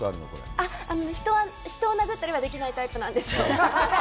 あっ、人は人を殴ったりはできないタイプなんです。